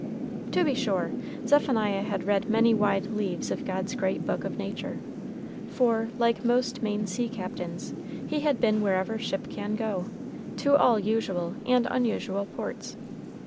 To be sure, Zephaniah had read many wide leaves of God's great book of Nature, for, like most Maine sea captains, he had been wherever ship can go, to all usual and unusual ports.